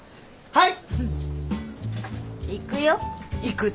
はい。